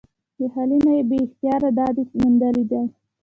د خلي نه بې اختياره داد ئې موندلے دے ۔